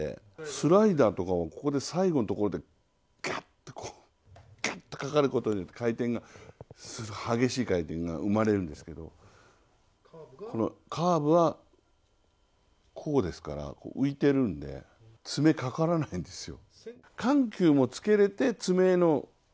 スライダーとかも、最後のところでガッとかかることで激しい回転が生まれるんですけど、このカーブはこうですから浮いてるんで爪、かからないんですよ。